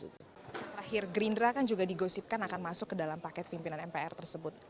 terakhir gerindra kan juga digosipkan akan masuk ke dalam paket pimpinan mpr tersebut